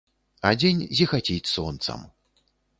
А дзень зіхаціць сонцам.